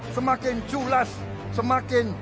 semakin culas semakin